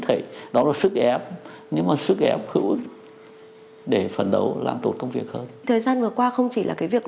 thời gian vừa qua không chỉ là cái việc